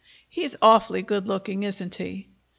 "He's awfully good looking, isn't he?"